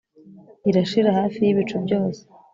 Irashira hafi yibicu byose